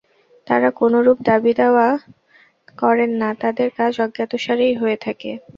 তাঁরা কোনরূপ দাবীদাওয়া করেন না, তাঁদের কাজ অজ্ঞাতসারেই হয়ে থাকে।